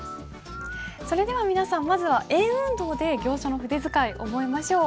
それでは皆さんまずは円運動で行書の筆使い覚えましょう。